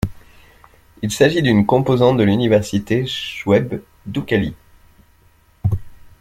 Il s'agit d'une composante de l'université Chouaib Doukkali.